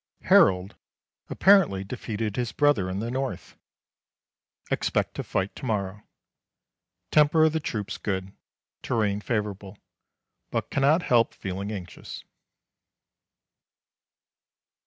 Harold apparently defeated his brother in the North. Expect to fight to morrow. Temper of the troops good. Terrain favourable, but cannot help feeling anxious.